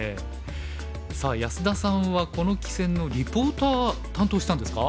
さあ安田さんはこの棋戦のリポーター担当したんですか？